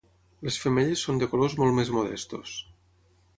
Les femelles són de colors molt més modestos.